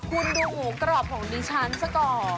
คุณดูหมูกรอบของดิฉันซะก่อน